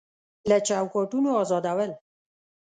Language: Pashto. له چوکاټونو ازادول